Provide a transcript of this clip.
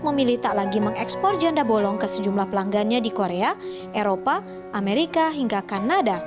memilih tak lagi mengekspor janda bolong ke sejumlah pelanggannya di korea eropa amerika hingga kanada